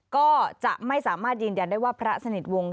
ก็จะไม่สามารถยืนยันได้ว่าพระสนิทวงศ์